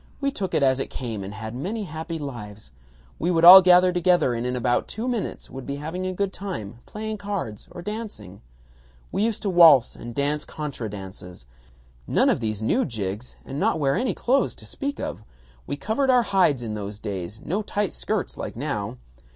We took it as it came and had happy lives. ... We would all gather together and in about two minutes would be having a good time playing cards or dancing. ... We used to waltz and dance contra dances. None of these new jigs and not wear any clothes to speak of. We covered our hides in those days; no tight skirts like now.